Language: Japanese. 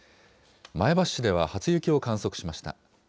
前橋市では初雪を観測しました。